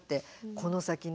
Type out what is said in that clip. この先ね